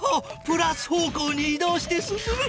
プラス方向にい動して進む。